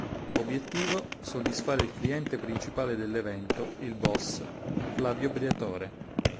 Obiettivo: soddisfare il cliente principale dell'evento, il Boss, Flavio Briatore.